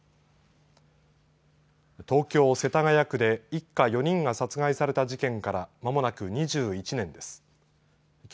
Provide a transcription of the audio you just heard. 東京・世田谷区で一家４人が殺害された事件から間もなく２１年です。